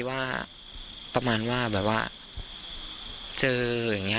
ฐานพระพุทธรูปทองคำ